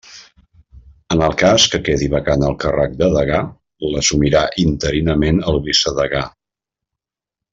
En el cas que quedi vacant el càrrec de degà, l'assumirà interinament el vicedegà.